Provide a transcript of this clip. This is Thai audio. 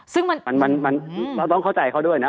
เราต้องเข้าใจเข้าด้วยนะ